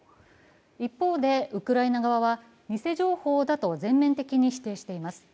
一方で、ウクライナ側は偽情報だと全面的に否定しています。